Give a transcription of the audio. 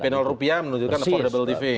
dp rupiah menunjukkan affordable living